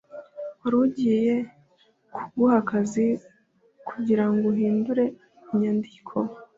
wari ugiye kuguha akazi kugirango uhindure inyandiko